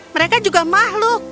mereka juga makhluk